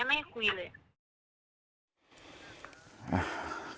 แล้วเขาก็รักผู้หญิงคนนี้มากอ่ะ